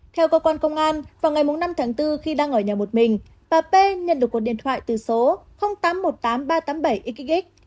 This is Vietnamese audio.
theo cơ quan công an vào ngày bốn năm tháng bốn khi đang ở nhà một mình bà p nhận được một điện thoại từ số tám trăm một mươi tám nghìn ba trăm tám mươi bảy xxx